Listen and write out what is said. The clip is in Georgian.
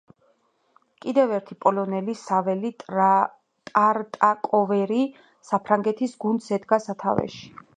კიდევ ერთი პოლონელი, საველი ტარტაკოვერი საფრანგეთის გუნდს ედგა სათვეში.